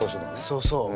そうそう。